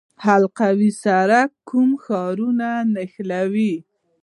حلقوي سړک کوم ښارونه نښلوي؟